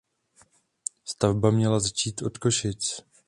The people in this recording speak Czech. Stavba měla začít od Košic.